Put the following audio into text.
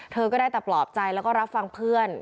เธอก็ได้แต่ปลอบใจแล้วก็รับฟังเพื่อน